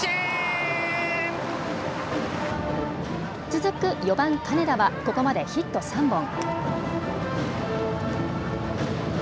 続く４番・金田はここまでヒット３本。